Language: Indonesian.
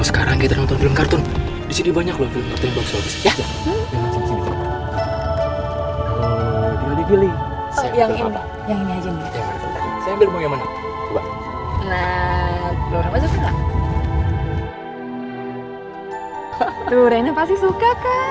apa apa tuhgian nya dari mana ya